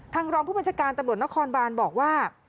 ทางรองผู้บัญชการตะบดนครบานบอกว่า